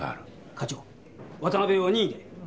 課長渡辺を任意で。